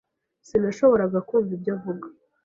Sinashoboraga kumva ibyo avuga.